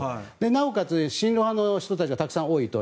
なおかつ親ロシア派の人たちがたくさん多いと。